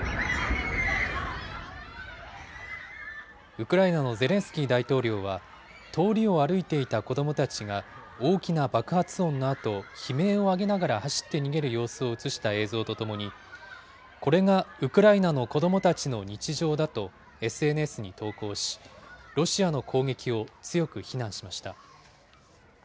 ウクライナのゼレンスキー大統領は、通りを歩いていた子どもたちが、大きな爆発音のあと悲鳴を上げながら走って逃げる様子を写した映像とともに、これがウクライナの子どもたちの日常だとＳＮＳに投稿し、ロシアの攻撃を強く非難しました。